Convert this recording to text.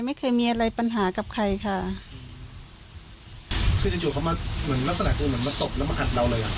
ไม่เคยมีอะไรปัญหากับใครค่ะคือจูอยู่เขามาเหมือนลักษณะคือเหมือนมาตบแล้วมากัดเราเลยอ่ะ